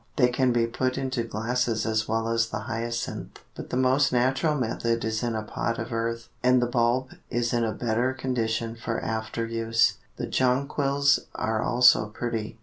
They can be put into glasses as well as the Hyacinth, but the most natural method is in a pot of earth, and the bulb is in a better condition for after use. The Jonquils are also pretty.